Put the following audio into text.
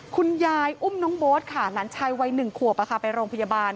คุณยายอุ้มน้องโบ๊ทค่ะหลานชายวัย๑ขวบไปโรงพยาบาล